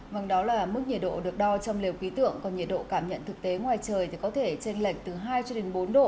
vâng đó là mức nhiệt độ được đo trong liều ký tượng còn nhiệt độ cảm nhận thực tế ngoài trời thì có thể trên lệnh từ hai cho đến bốn độ